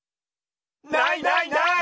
ないないない。